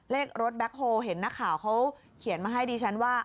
เลขรถแบ็คโฮลเห็นนักข่าวเขาเขียนมาให้ดิฉันว่า